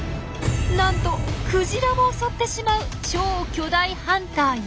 なんとクジラを襲ってしまう超巨大ハンターや。